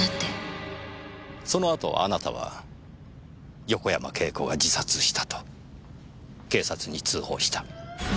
その後あなたは横山慶子が自殺したと警察に通報した。